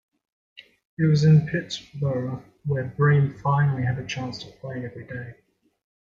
It was in Pittsburgh where Bream finally had a chance to play every day.